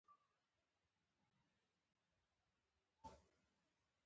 ځغاسته د ذهن تیزوالي سره مرسته کوي